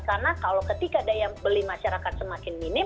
karena kalau ketika daya beli masyarakat semakin minim